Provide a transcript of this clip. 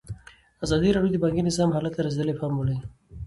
ازادي راډیو د بانکي نظام حالت ته رسېدلي پام کړی.